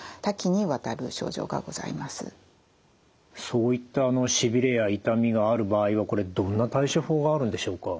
そういったしびれや痛みがある場合はこれどんな対処法があるんでしょうか。